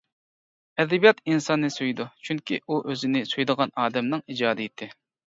ئەدەبىيات ئىنساننى سۆيىدۇ، چۈنكى ئۇ ئۆزىنى سۆيىدىغان ئادەمنىڭ ئىجادىيىتى.